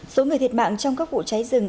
số người thiệt mạng trong các vụ cháy rừng